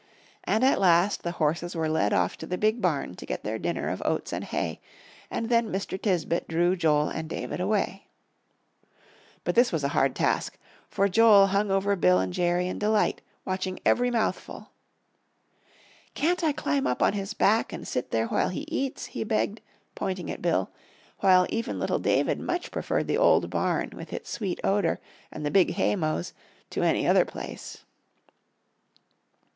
And at last the horses were led off to the big barn to get their dinner of oats and hay, and then Mr. Tisbett drew Joel and David away. But this was a hard task, for Joel hung over Bill and Jerry in delight, watching every mouthful. "Can't I climb up on his back and sit there while he eats?" he begged, pointing at Bill, while even little David much preferred the old barn with its sweet odor, and the big haymows, to any other place.